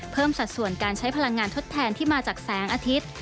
สัดส่วนการใช้พลังงานทดแทนที่มาจากแสงอาทิตย์